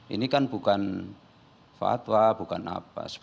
ini kan bukan fatwa bukan apa